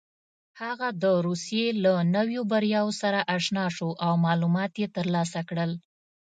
هغه د روسيې له نویو بریاوو سره اشنا شو او معلومات یې ترلاسه کړل.